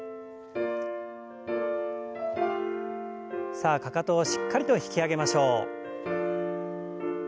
さあかかとをしっかりと引き上げましょう。